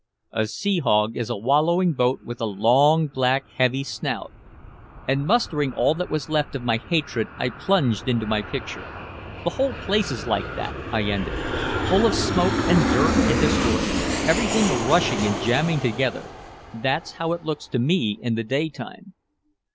"A sea hog is a wallowing boat with a long, black, heavy snout." And mustering all that was left of my hatred I plunged into my picture. "The whole place is like that," I ended. "Full of smoke and dirt and disorder, everything rushing and jamming together. That's how it looks to me in the daytime!"